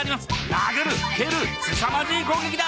殴る、蹴る、すさまじい攻撃だ。